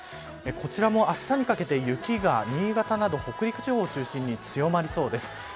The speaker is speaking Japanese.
こちらもあしたにかけて雪が新潟など、北陸地方を中心に強まりそうです。